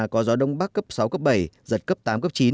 có gió đông bắc cấp sáu cấp bảy giật cấp tám cấp chín